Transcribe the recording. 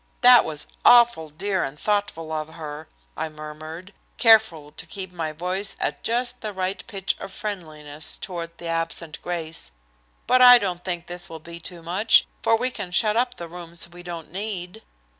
"That was awful dear and thoughtful of her," I murmured, careful to keep my voice at just the right pitch of friendliness toward the absent Grace, "but I don't think this will be too much, for we can shut up the rooms we don't need."